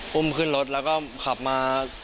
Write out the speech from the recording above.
อุ้มขึ้นรถแล้วก็ขับมา